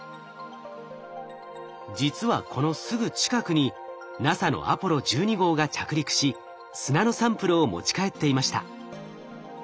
実はこのすぐ近くにＮＡＳＡのアポロ１２号が着陸し砂のサンプルを持ち帰っていました。